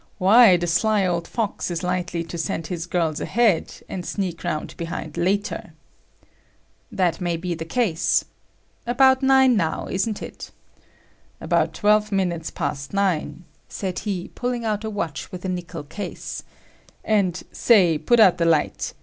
Why, the sly old fox is likely to send his girls ahead[Q], and sneak round behind later." "That may be the case. About nine now, isn't it?" "About twelve minutes past nine," said he, pulling out a watch with a nickel case, "and, say put out the light.